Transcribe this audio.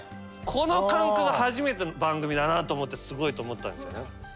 この感覚は初めての番組だなと思ってすごいと思ったんですよね。